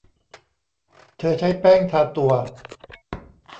เธอใช้แป้งทาตัว